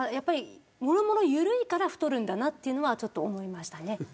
もろもろ緩いから太るんだなというのは思いました。